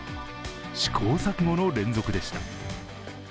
試行錯誤の連続でした。